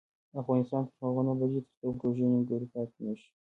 افغانستان تر هغو نه ابادیږي، ترڅو پروژې نیمګړې پاتې نشي.